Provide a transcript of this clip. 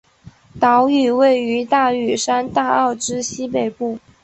岛屿位于大屿山大澳之西北部。